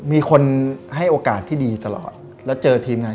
มีคนให้โอกาสที่ดีตลอดแล้วเจอทีมงาน